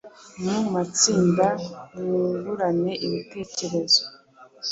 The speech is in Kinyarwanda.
Mu matsinda mwungurane ibitekerezo